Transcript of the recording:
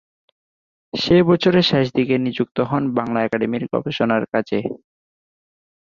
সে বছরের শেষ দিকে নিযুক্ত হন বাংলা একাডেমির গবেষণার কাজে।